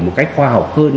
một cách khoa học hơn